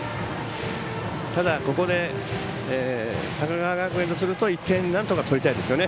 ただ、ここで高川学園とすると１点をなんとか取りたいですよね。